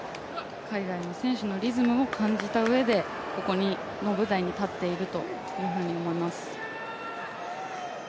海外の選手のリズムも感じたうえでここの舞台に立っているというふうに思います。